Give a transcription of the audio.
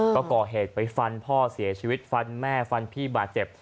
ก็ก่อเหตุไปฟันพ่อเสียชีวิตฟันแม่ฟันพี่บาดเจ็บ